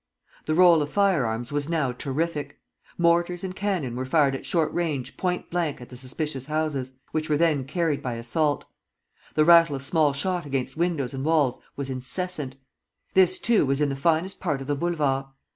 The roll of firearms was now terrific. Mortars and cannon were fired at short range point blank at the suspicious houses, which were then carried by assault. The rattle of small shot against windows and walls was incessant. This, too, was in the finest part of the Boulevard.